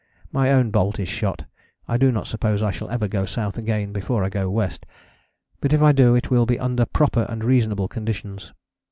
My own bolt is shot; I do not suppose I shall ever go south again before I go west; but if I do it will be under proper and reasonable conditions.